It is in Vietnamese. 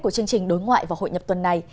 của chương trình đối ngoại và hội nhập tuần này